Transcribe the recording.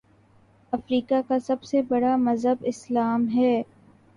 افریقہ کا سب سے بڑا مذہب اسلام ہے